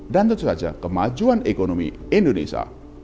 tentu saja kemajuan ekonomi indonesia